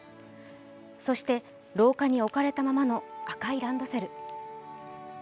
そして、廊下に置かれたままの赤いランドセル。